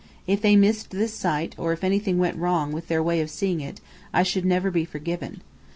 If they missed this sight, or if anything went wrong with their way of seeing it, I should never be forgiven.